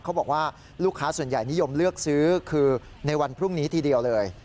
เขาบอกว่าลูกค้าส่วนใหญ่นิยมเลือกซื้อคือในวันพรุ่งนี้ทีเดียวเลย